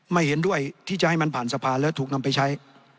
ไม่เห็นด้วยที่จะให้มันผ่านสะพานแล้วถูกนำไปใช้